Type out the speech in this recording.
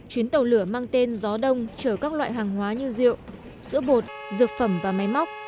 chuyến tàu lửa mang tên gió đông chở các loại hàng hóa như rượu sữa bột dược phẩm và máy móc